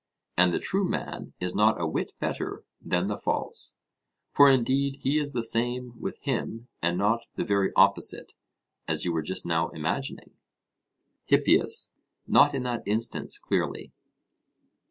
And the true man is not a whit better than the false; for indeed he is the same with him and not the very opposite, as you were just now imagining. HIPPIAS: Not in that instance, clearly.